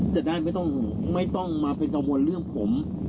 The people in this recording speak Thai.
จะได้ไม่ต้องไม่ต้องมาเป็นเกาะมนต์เรื่องผม